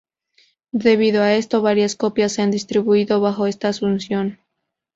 Debido a esto, varias copias se han distribuido bajo esta asunción.